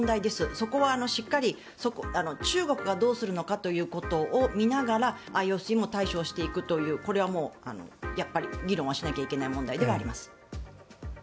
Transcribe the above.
そこはしっかり中国がどうするのかということを見ながらＩＯＣも対処をしていくというこれは議論をしなければいけない問題ではあります。